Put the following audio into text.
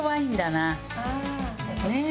ねえ。